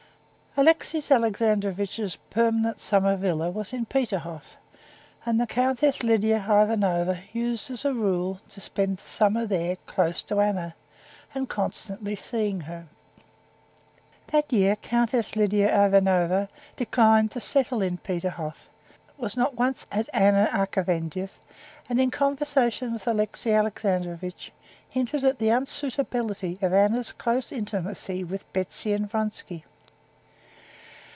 Alexey Alexandrovitch's permanent summer villa was in Peterhof, and the Countess Lidia Ivanovna used as a rule to spend the summer there, close to Anna, and constantly seeing her. That year Countess Lidia Ivanovna declined to settle in Peterhof, was not once at Anna Arkadyevna's, and in conversation with Alexey Alexandrovitch hinted at the unsuitability of Anna's close intimacy with Betsy and Vronsky.